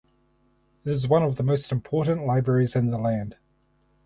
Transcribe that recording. It is one of the most important libraries in the land.